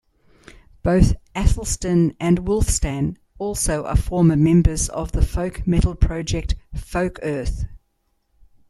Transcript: Both Athelstan and Wulfstan also are former members of the folk metal project "Folkearth".